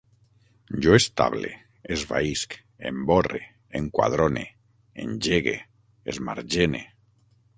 Jo estable, esvaïsc, emborre, enquadrone, engegue, esmargene